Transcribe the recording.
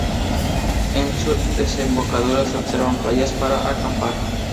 En su desembocadura se observan playas para acampar.